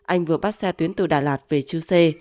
anh vừa bắt xe tuyến từ đà lạt về chư sê